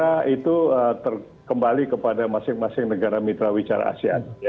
saya kira itu terkembali kepada masing masing negara mitra wicara asean